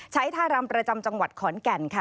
ท่ารำประจำจังหวัดขอนแก่นค่ะ